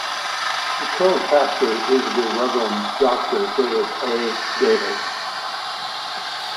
The current pastor is The Reverend Doctor David A. Davis.